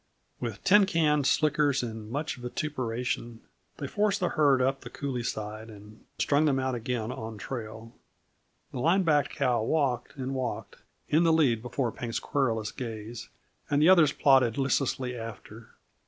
With tin cans, slickers, and much vituperation, they forced the herd up the coulee side and strung them out again on trail. The line backed cow walked and walked in the lead before Pink's querulous gaze, and the others plodded listlessly after.